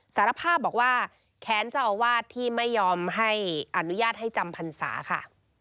สารพ่าบอกว่าแขนเจ้าอาวาสที่ไม่ยอมให้อนุญาตให้จำภัณฑ์ศาสตร์ค่ะ